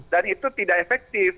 dan itu tidak efektif